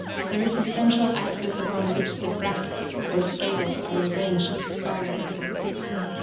There is a central axis upon which the bracts or scales are arranged spirally.